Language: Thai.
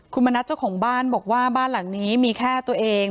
คุณมณัฐเจ้าของบ้านบอกว่าบ้านหลังนี้มีแค่ตัวเอง